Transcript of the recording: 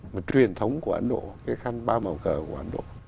một truyền thống của ấn độ cái khăn ba màu cờ của ấn độ